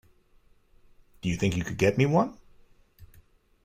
Do you think you could get me one?